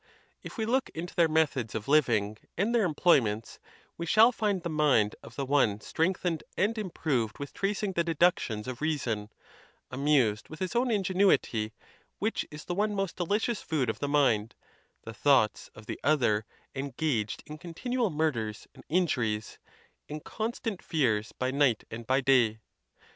If we look into their methods of living and their employments, we shall find the mind of the one strength ened and improved with tracing the deductions of reason, amused with his own ingenuity, which is the one most delicious food of the mind; the thoughts of the other en gaged in continual murders and injuries, in constant fears by night and by day.